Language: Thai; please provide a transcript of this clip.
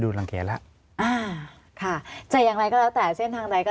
รังเกียจแล้วอ่าค่ะจะอย่างไรก็แล้วแต่เส้นทางใดก็